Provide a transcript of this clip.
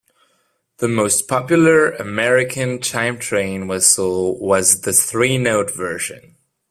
The most popular American chime train whistle was the three-note version.